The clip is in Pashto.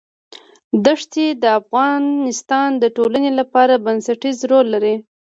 دښتې د افغانستان د ټولنې لپاره بنسټيز رول لري.